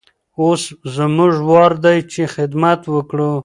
اوس زموږ وار دی چې خدمت وکړو.